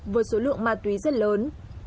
với số lượng ma túy rất lớn